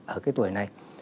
ở tuổi này